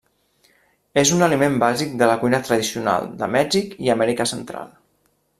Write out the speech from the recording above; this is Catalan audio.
És un aliment bàsic de la cuina tradicional de Mèxic i Amèrica Central.